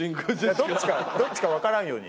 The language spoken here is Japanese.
どっちかどっちかわからんように。